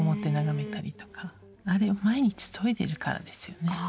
あれを毎日研いでるからですよね。